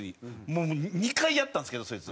もう２回やったんですけどそいつ。